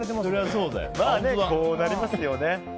まあ、こうなりますよね。